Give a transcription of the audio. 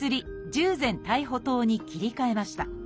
「十全大補湯」に切り替えました。